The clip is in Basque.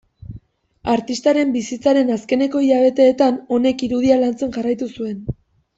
Artistaren bizitzaren azkeneko hilabeteetan honek irudia lantzen jarraitu zuen.